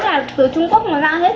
cũng là từ trung quốc mà ra hết